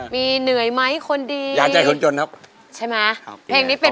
มีเหนื่อยไหมคนดีอยากจะเงินครับใช่ไหมเพลงนี้เป็น